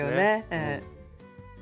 ええ。